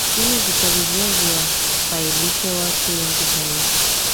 ili vitabu vyao viwafaidishe watu wengi zaidi